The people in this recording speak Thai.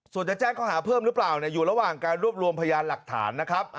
ส่วนจะแจ้งข้อหาเพิ่มหรือเปล่าอยู่ระหว่างการรวบรวมพยานหลักฐานนะครับ